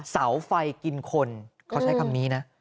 เสาไฟกินคนเขาใช้คำนี้นะ